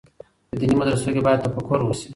په ديني مدرسو کي بايد تفکر وسي.